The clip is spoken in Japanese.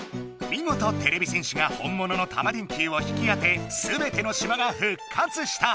みごとてれび戦士が本もののタマ電Ｑを引き当てすべての島がふっかつした！